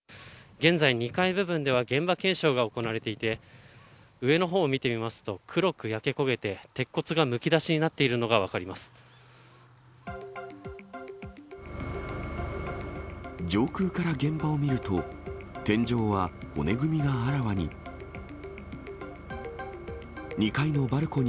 現在、２階部分では現場検証が行われていて、上のほうを見てみますと、黒く焼け焦げて、鉄骨がむき出しになっ上空から現場を見ると、天井は骨組みがあらわに。